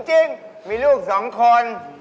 จริงมีลูก๒คน